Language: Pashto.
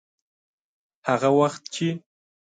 هغه وخت چې.